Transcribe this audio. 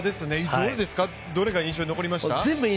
どれが印象に残りましたか？